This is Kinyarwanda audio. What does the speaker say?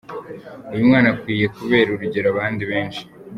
Uyu mwana akwiye kubera urugero abandi benshi.